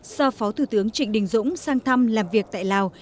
do phó thủ tướng trịnh đình dũng sang thăm làm việc tại lào